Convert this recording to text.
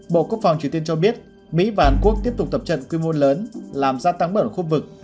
bộ quốc phòng triều tiên cho biết mỹ và hàn quốc tiếp tục tập trận quy mô lớn làm gia tăng bẩn khu vực